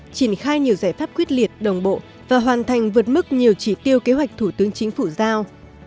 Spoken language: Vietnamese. triển khai nhiều giải pháp quyết liệt đồng bộ và hoàn thành vượt mức nhiều chỉ tiêu kế hoạch thủ tướng chính phủ giao